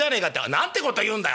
「なんてこと言うんだい。